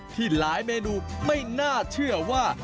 ที่หลายเมนูไม่น่าเชื่อว่า